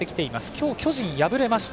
今日、巨人は敗れました。